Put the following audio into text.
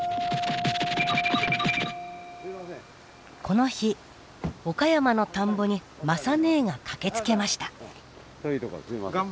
この日岡山の田んぼに雅ねえが駆けつけました。